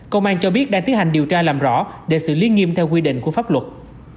công an cho biết đang tiến hành điều tra làm rõ để xử lý nghiêm theo quy định của pháp luật